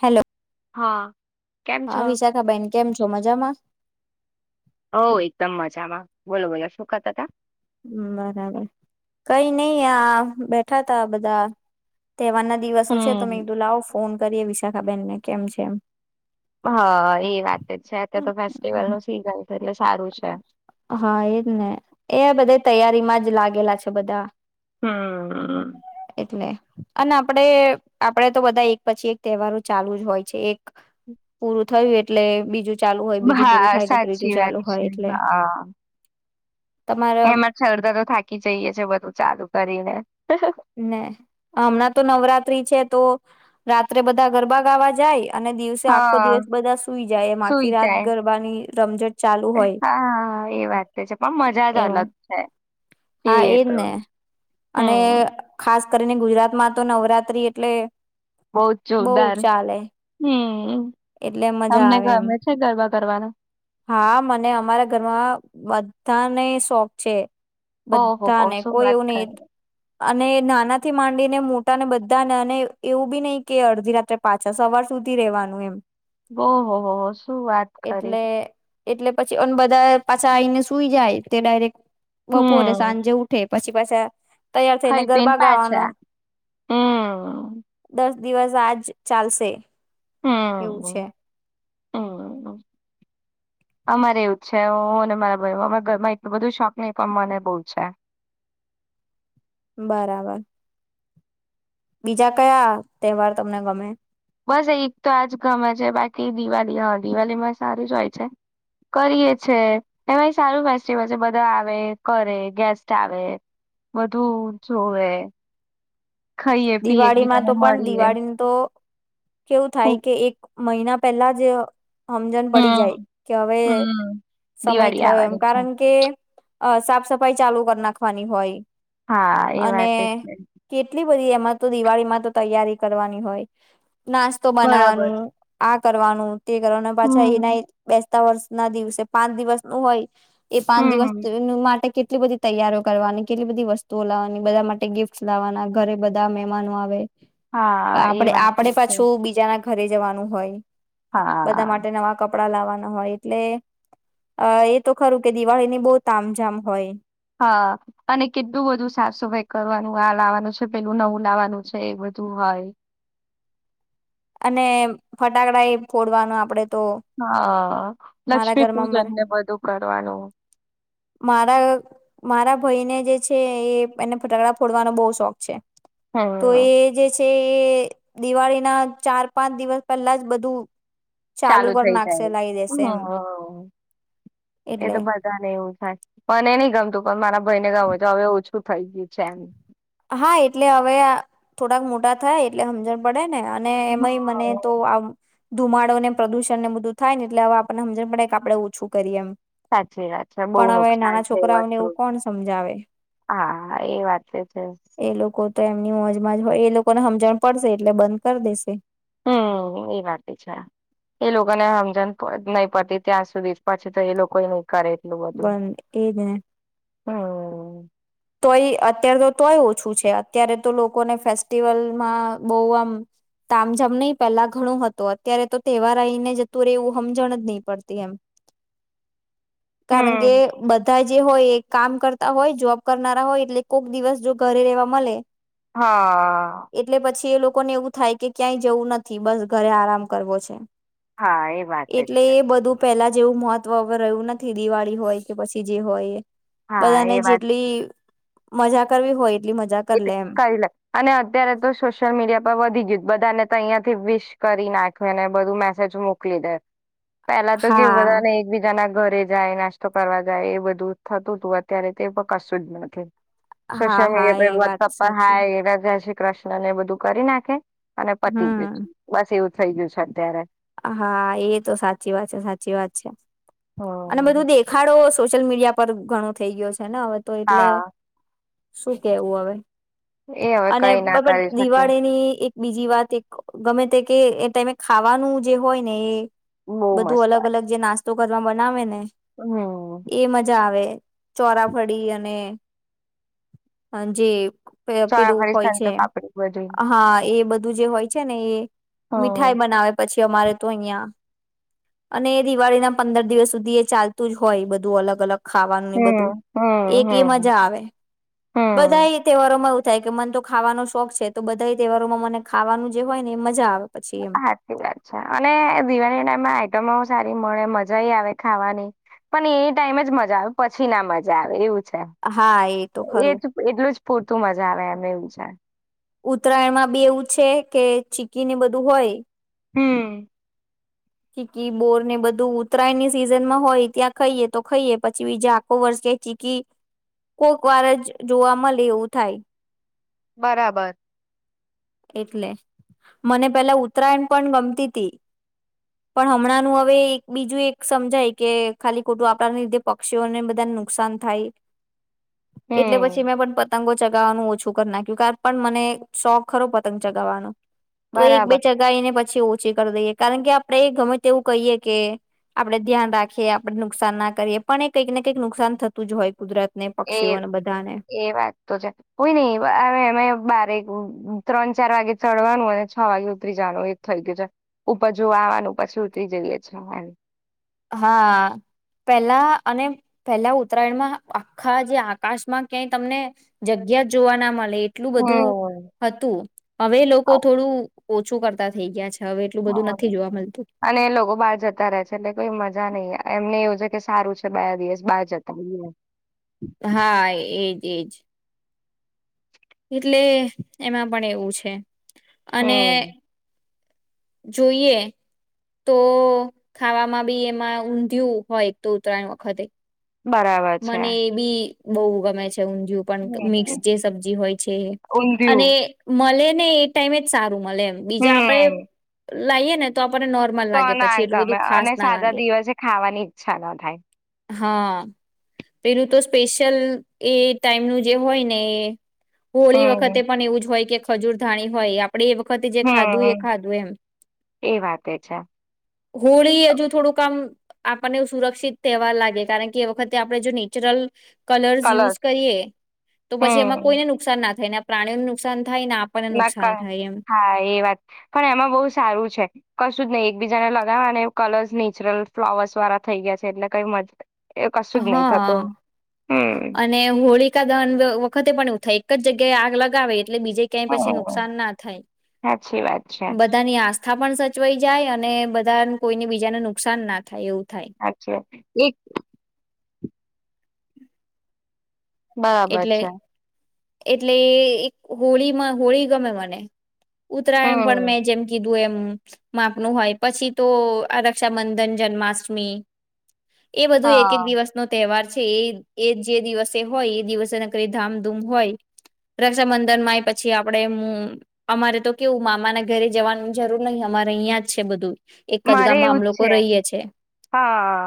Hello. હા. કેમ છો? હા વિશાખાબાઈન. કેમ છ જો મજામાં? હઉ એકદમ મજામાં. બોલો બોલો શું કહતા થા? બરાબર. કઈ નહીં આ બેઠા થા બધા. તેહેવારના દિવસો છે તો મેં હમ કીધું લાઓ ફોન કરીએ વિશાખાબેન ને કેમ છે એમ. હા, એ વાત તે છે. અત્યાર તો ફેસ્ટિવલ નું સીઝન છે એટલે સારું છે. હા, એજ ને. એ બધા તૈયારી માં જ લાગેલા છે બધા. હમ એલે અને આપડે આપડે તો બધા એક પછી એક તહેવારો ચાલુ જ હોય છે એક પૂરું થયું એટલે બીજું ચાલુ હોય બીજું પૂરું હા થાય એટલે ત્રીજું સાચી ચાલુ વાત હોય છે એટલે હા. તમારા એમાંથી અડધા તો થાકી જઈએ છે બધું ચાલુ કરીને. ને હમણાં તો નવરાત્રી છે. તો રાત્રે બધા ગરબા ગાવા જાય અને દિવસે આખો હા. દિવસ બધા સુઈ જાય એમ સુઈ આખી રાત જાય ગરબાની રમઝટ ચાલુ હોય હા એ વાત તો છે પણ મજા જ એવું. અલગ છે. એ હા એજ તો ને અને હમ ખા ખાસ કરીને ગુજરાતમાં તો નવરાત્રી એટલે જ બહુ જોરદાર ચાલે હમ. એટલે મજા તમને આવે એમ ગમે છે ગરબા કરવાના હા મને અમારા ઘરમાં બધા તાને શોખ છે. ઓહો હો બધાને શું કોઈ વાત એવું કરે. નહી અને નાનાથી માંડીને મોટા ને બધા ને અને એવું બી નહી કે અડધી રાત્રે પાછા સવાર સુધી રેવાનું એમ- ઓહ હો શું વાત કરે એટલે એટલે પછી અને બધા પાછા આવીને સુઈ જાય તે ડાયરેક્ટ બપોરે હમ સાંજે ઉઠે. પછી પાછા તૈયાર થઈને ખાઈ પીન ગરબા ગાવાનો પાછા. હમ્મ. દસ દિવસ આજ ચાલશે. એવું છે. હમ હમ અમારે એવું છે. હું અને મારા ભાઈ [unintelligible] અમે ઘરમાં એટલું બધું શોખ ની પણ મને બવ છે. બરાબર. બીજા કયા તહેવાર તમને ગમે? બસ એક તો આજ ગમે છે બાકી દિવાળી, હા દિવાળી માં સારું જ હોય છે. કરીએ છે એમાંય સારું ફેસ્ટિવલ છે બધા આવે, કરે, ગેસ્ટ આવે, બધું જોવે. ખાઈએ પીએ દિવાળીમાં એકબીજાને તો પણ મળીએ દિવાળીનું તો કેવું હમ થાય કે એક મહિના પેલા જ. સમજણ પડી જાય કે હવે હમ સમય દિવાળી થયો એમ આવવાની છે કારણ કે. અ સાફ સફાઈ ચાલુ કરી નાખવાની હોય. હા એ વાત છે. એમ. તો દિવાળીમાં તો તૈયારી કરવાની હોય. નાસ્તો બરાબર બનાવાનું આ. કરવાનું. તે કરવા પાછા એના હમ બે. સ વર્ષ ના દિવસે પાંચ દિવસ નું હોય. એ પાંચ દિવસ હમ માટે કે. કેટલી બધી તૈયારીઓ કરવાની કેટલી બધી વસ્તુઓ લાવવાની બધા માટે ગિફ્ટ લાવવાના ઘરે બધા. બા મહેમાનો આવે. હા એ આપડે વાત આપડે બી છે પાછું બીજાના. ઘરે જવાનું હોય. બધા હા માટે નવા કપ. કપડા લાવવાના હોય એટલે અ એ તો ખરું કે દિવાળીની બહુ તામજામ હોય. હા અને કેટલું બધું સાફ સફાઈ કરવાનું આ લાવવાનું છે પેલું નવું લાવવાનું છે એ બધું હોય. અને ફટાકડા એ ફોડવાનું આપડે. તો હા મારા લક્ષ્મી ઘરમાં પૂજન મારા ને બધું કરવાનું. ભય ને જે છે એ એને ફટાકડા ફોડવાનો બહુ શોખ છે. તો હમ એ જે છે. તે દિવાળીના. ચાર પાંચ દિવસ પહેલા જ બધું. ચાલુ કરી થઈ નાખશે જાય લાવી અ દેશે એમ એ એટલે તો બધાને એવું થાય મને નહીં ગમતું પણ મારા [unintelligible] ભાઈને ગમે હો તો આવે એવું છે. શુ થઈ ગયું છે એમ. હા એટલે હવે થોડાક મોટા થયા એટલે સમજણ પડે. ને અને હમ, એમાંય મને તો આ. ધુમાડો ને પ્રદૂષણ ને બધું થાય ને એટલે હ આપને સમજને પડે કે આપણે ઓછું કરીએ એમ. સાચી વાત છે બહુ પણ હવે નુકસાન નાના છે છોકરાઓને વસ્તુ એવું કોણ સમજાવે હા એ વાત છે. એ લોકો. તો એમની મોજમાંજ હોય એ લોકોને સમજણ પડશે એટલે બંધ કરી દેશે. હમ એ વાત છે એ લોકોને સમજણ નહી પડતી ત્યાં સુધી પછી તો એ લોકો નહી. કરે બંધ એજ ને. હમ્મ. તોય અત્યારે તો તોય ઓછું છે. અત્યારે તો લોકોને ફેસ્ટિવલમાં બવ આમ તામ જામ નઈ પેલા ઘણું હતું અત્યારે તો તહેવાર આઈને જતું ને રિયુ સમજણ જ નહી પડતી એમ. કારણ કે હમ બધા જે હોય એ કામ કરતા તા હોય જોબ. કરનારા હોય એટલે કોક દિવસ જો ઘરે રેવા મળે હા. એટલે પછી એ લોકોને એવું થાય કે ક્યાંય જવું નથી, બસ ઘરે આરામ કરવો છે. હા એ વાત એટલે છે એ બધું પેલા જ જેવું મહત્વ હવે રહ્યું નથી. દિવાળી હોય કે પછી જે હોય એ. હા એ વાત ઈ મજા કરવી હોય એટલી મજા કરી [unintelligible] લે એમ કઈ લે અને અત્યારે તો સોશિયલ મીડિયા પર વધી ગયું બધાને તો અહિયાં કે વિશ કરી નાખેને બધું મેસેજ મોકલી દે. પેલા તો કેવું હા બધા ને એકબીજા ના ઘરે જાય નાસ્તો કરવા જાય એ બધું થતું હતું અત્યારે તો એ કશું જ નથી. હા હા એ વાત [unintelligible] સાચી હાય રાજા છે કૃષ્ણ ને બધું કરી નાખે. ને પતી ગયુંજ હમ બસ એવુંજ થઈ ગયું છે અત્યારે. હા એ તો સાચી વાત છે સાચી વાત છે. અને હમ બધું દેખાડો સોશિયલ મીડિયા પર ઘણો થઇ ગયો છે. છે ને હવે તો એટલે હા શું કેવું હવે એ હવે અને કઈ ના કરી [unintelligible] શકે દિવાળીની એક બીજી વાત એક ગમે તે કે એ તમે ખાવાનું જે હોય ને એ બહુ બધું મસ્ત અલગ હોય. અલગ જે નાસ્ત તો [unintelligible] ના આવેને હમ એ મજા આવે ચોરાફળી અને જે પે પેલું ચોરાફરી હોય સંતો છે પાપડી બધું હા એ બધું જે હોય છે ને એ મીઠાઈ હમ બનાવે પછી અમારે તો અહિયાં અને દિવાળી ના પંદર દિવસ સુધી એ ચાલતું જ હોય બધું અલગ અલગ ખાવાનું ને બધું હમ હમ એક એ હમ મજા આવે બધા હમ એ તહેવારોમાં થાય કે મને તો ખાવાનો શોખ છે તો બધા તહેવારોમાં મને ખાવાનું જે હોય ને એ મજા આવે. પછી એમ હાચી વાત છે અને દિવાળી ટાઈમમાં આઈટમો સારી મળે મજાય આવે ખાવાની પણ એ ટાઈમ જ મજા આવે પછી ના મજા આવે એવું છે હા એ તો ખરું એજ એટલું જ પૂરતું મજા આવે અ ને એવું છે. ઉત્તરાયણમાં બી એવું છે કે ચીકીને બધું હોય હમ ચીકી, બોર ને બધું ઉતરાયણની સિઝનમાં હોય ત્યાં ખાઈએ તો ખાઈએ પછી બીજા આખો વર્ષ કે ચીકી કોક વાર જ જોવા મલે એવું થાય બરાબર એટલે મને પેલા ઉત્તરાયણ પણ ગમતીતી પણ હમણાંનું હવે એક બીજું એક સમજાય કે ખાલી ખોટું આપણાને લીધે પક્ષીઓને બધાને નુકસાન થાય. એટલે હમ પછી મેં પણ પ પતંગો ચગાવવાનું ઓછું કરી નાખ્યું. કા પણ મને શોખ ખરો પતંગ ચગાવવાનો તો એક બે બરાબર ચગાવીને પ પછી ઓછી કરી દઈએ. કારણ કે આપણે ગમે તેવું કહીએ કે આપડે ધ્યાન રાખીએ આપણે નુકસાન ના કરીએ પણ એ કંઈક ને કંઈક નુકસાન થતું જ હોય કુદરત ને એ પક્ષીઓને બધાને એ વાત તો છે. [unintelligible] એમે બારે ત્રણ ચાર વાગે ચડવાનું અને છ વાગે ઉતરી જવાનું એ થઇ ગયું છે. ઉપર જોવા આવાનું પછી ઉતરી જઈએે છે અમ હા પેહલા અને પેહલા ઉત્તરાયણમાં આખા જે આકાશમાં ક્યાંય તમને જગ્યા જ જોવા ના મળે એ એટલું બધું હમ હતું હવે લોકો થોડું ઓછું કરતા થઇ ગયા છે. હવે એટલું બધું હા, નથી જોવા મળતું અને એ લોકો બહાર જતા રહે છે. એટલે કોઈ મજા મજા નહી. એમને એવું છે કે સારું છે બે દિવસ બહાર જતા રહીયે હા એજ એજ એટલે એમાં પણ એવું છે. અને હમ જોઈએ તો ખાવામાં બી એમાં ઊંધિયું હોય એક તો ઉત્તરાયણ વખતે. બરાબર છે. બવ ગમે છે. ઊંધિયું પણ મિક્સ હમ જે સબજી હોય છે એ અને ઊંધિયું મલે ને એ ટાઈમે જ સા મળે એમ. બીજા આપડે હમ લાઈએ ને તો આમ તો ના ગમે અને સાદા લાગે દિવસે ખાવાની ઈચ્છા ના થાય. હા પેલું તો સ્પેશિયલ એ ટાઈમનું જે હોય ને એ હોળી વખતે હમ પણ એવું જ હોય કે ખજૂર ધાણી હોય આપણે એ વખતે જે ખાધું એ હમ ખાધું એમ. એ વાતે છે હોળી હજુ થોડુંક આામ આપણને એ સુરક્ષિત તેહવાર લાગે કારણ કે એ વખત આપડે જે નેચરલ કલર્સ કલર યુઝ કરીએ તો પછી એમાં હમ કોઈને નુકસાન ના થાયને પ્રણીઓ નુકસાન થાય ને આપણને ના નુકસાન કા થાય એમ હા એ વાત પણ એમાં બહુ સારું છે કશું.. કશું જ નહિ એકબીજાને લગાવવા અને કલર્સ નેચરલ ફ્લોવર્સ વાળા થઈ ગયા છે એટલે કઈ મજા.. એ કશું જ નહી થતું હા હમ અને હોળિકા દન વખતે પણ એવું થઈ જગ્યા આગ લગાવ.. એટલે બીજે ક્યાંય પછી હમ નુકસાન ના થાય સાચી વાત છે બધાની આસ.. માથા પણ સચવાઈ જાય અને બધા કોઈને બીજાને નુકસાન ના થાય એવું. થાય સાચે એક.. બરાબર એટલે છે. એટલે એ.. એક હોળીમાં હોળી ગમે મને ઉત્તરાયણ પણ હમ મેં જેમ કીધું.. એમ માપનું હોય પછી તો રક્ષાબંધન જન્માષ્ટમી.. એ બધું એક એક હા દિવસનો તહેવાર છે. એ જે દિવસે હોય.. દિવસને કરી ધામધૂમ હોય રક્ષાબંધન માંય પછી આપડે હમ્મ અમારે તો કેવું મામાના ઘરે જવાનું જરૂર નહી અમારે અહીંયાજ છે બધું. એક મારે ગામમાં આમ એવું જ લોકો છે. રહીએ છે હા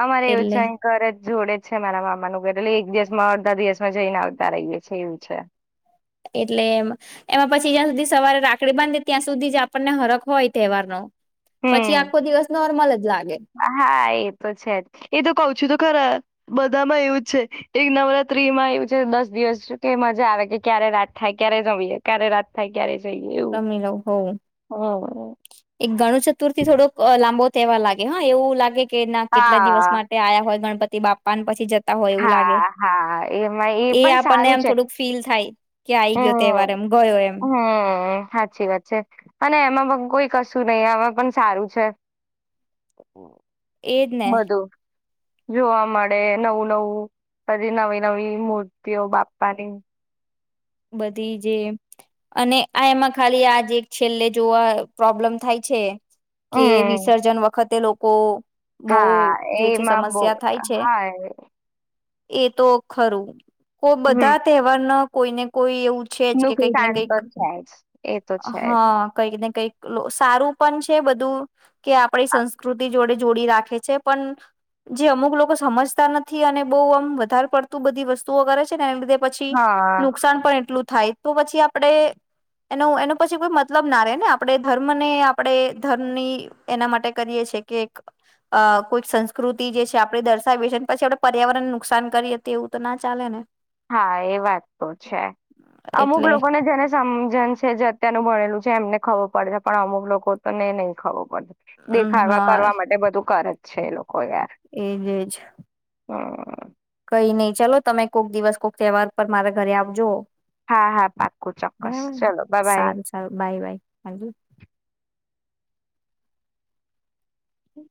અમારે એવું છે એટલે અ ઘર જ જોડે છે મારા મામાનું ઘર એટલે એક દિવસમાં.. એકજ દિવસમાં જઈને આવતા રહીએ છીએ એવું છે. એટલે એમ એમાં પછી જ્યાં સુધી સવારે રાખડી બાંધે ત્યાં સુધી જ આપણને હરખ હોય તહેવારનો પછી હમ આખો દિવસ નોર્મલ જ લાગ. હા એ તો છે જ એ તો કઉ છું તો ખર.. બધામાં એવું છે એક નવરાત્રીમાં એવું છે દસ દિવસ કે મજા આવે કે ક્યારે રાત થાય ક્યારે રમીયે ક્યારે રાત થાય ક્યારે.. જઈએ એવું રમી લઉં હોયે હમ એક ગણેશ ચતુર્થી થોડુંક લાંબો તેવા લાગે હા એવું લાગે.. કે ના કેટલા દિવસ હા માટે આયા હોય ગણપતિ.. તે બાપાને પછી જ.. જતા હોય એવું લાગે હા હા એમાં એ પણ આપણને સારું એમ છે થોડુંક ફીલ થાય કે આઈ ગયો તહેવાર હમ એમ ગયો એમ.. હમ સાચી વાત છે અને એમાં પણ કોઈ કશું નહી આવા પણ સારું છે. એ જ ને બધું જોવા મળે. નવું નવું બધી નવી નવી મૂર્તિઓ બાપ્પાની.. બધી જે અને આ એમાં ખાલી આજ એક છેલ્લે જોવા પ્રોબ્લેમ થાય છે. કે હમ વિસર્જન વખતે લોક કો હા એમાં બો, થાય છે હા. એ તો ખરું. કો હમ બધા તહેવારના કોઈને કોઈ એવું છેજ કે કઈક ને નુકસાન તો કઈક છે જ એ તો છે જ હા કઈક ને કઈક સારું પણ છે બધું તું કે આપણી સંસ્કૃતિ જોડે જોડી રાખે છે પણ જે અમુક લોકો સમજતા નથી અને બહ આમ વધારે પડતું બધી વસ્તુઓ કરે છે ને એના લીધે પછી હા નુ પણ એટલું થાય તો પછી આપણે એનું એનો પછી કોઈ મતલબ ના રે ને આપણે ધર્મ ને આપણે ધર્મની એના માટે કરીએ છીએ કે અ કોઈક સંસ્કૃતિ જે છે આપણે દર્શાવી છે ને પછી આપડે પર્યાવરણ નુકસાન કરીયે ત એવું તો ના ચાલે ને. હા એ વાત તો છે અમુક એટલે લોકોને જેને સમ જન છે જે અત્યારનું ભણેલું છે એમને ખબર પડે છે પણ અમુક લોકો તોને નહીં ખબર પડે. હમ દેખાવા હા કરવા માટે બધું કરે. છે એ લોકો યાર એજ એજ હમ્મ કઈ નહી ચાલો તમે કોઈક દિવસ કોઈક તહેવાર પર મારા ઘરે આવજો. હા, હા, પાકું ચોક્કસ બરાબર ચલો બા બાય. સારું સારું બાય બાય હાજી હમ્મ